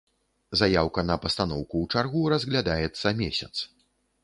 Заяўка на пастаноўку ў чаргу разглядаецца месяц.